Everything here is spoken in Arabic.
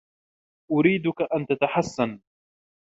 أريدك أن تتحسن.